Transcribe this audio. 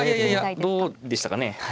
どうでしたかね。